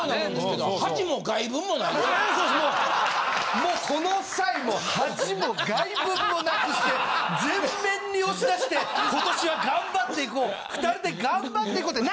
もうこの際恥も外聞もなくして全面に押し出して今年は頑張っていこう２人で頑張っていこうってな？